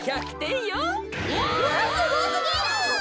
すごすぎる！